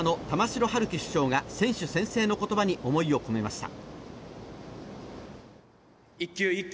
城陽希主将が選手宣誓の言葉に思いを込めました。